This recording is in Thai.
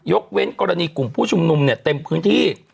เว้นกรณีกลุ่มผู้ชุมนุมเนี่ยเต็มพื้นที่